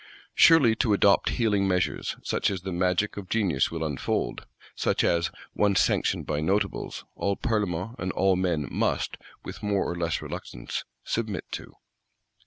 Surely to adopt healing measures; such as the magic of genius will unfold; such as, once sanctioned by Notables, all Parlements and all men must, with more or less reluctance, submit to.